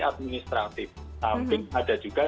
administratif sampai ada juga